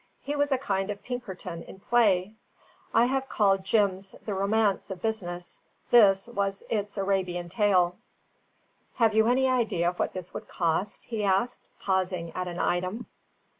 He was a kind of Pinkerton in play. I have called Jim's the romance of business; this was its Arabian tale. "Have you any idea what this would cost?" he asked, pausing at an item.